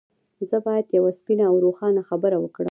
زه بايد يوه سپينه او روښانه خبره وکړم.